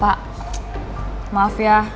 pak maaf ya